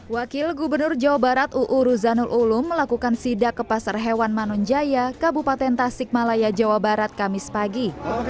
wakil gubernur jawa barat uu ruzanul ulum melakukan sidak ke pasar hewan manunjaya kabupaten tasik malaya jawa barat kamis pagi